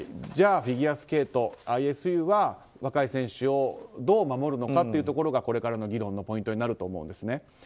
じゃあフィギュアスケートＩＳＵは若い選手をどう守るのかということがこれからの議論のポイントになると思うんです。